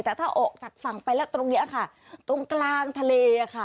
แต่ถ้าออกจากฝั่งไปแล้วตรงนี้ค่ะตรงกลางทะเลค่ะ